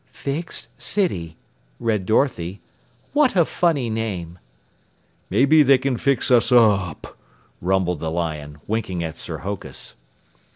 "Fix City," read Dorothy. "What a funny name!" "Maybe they can fix us up," rumbled the lion, winking at Sir Hokus.